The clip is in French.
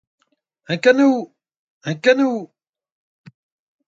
Un canot ! un canot !